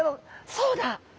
そうだ！